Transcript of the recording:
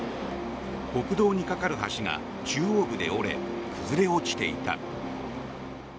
国道に架かる橋が中央部で折れ崩れ落ちていた。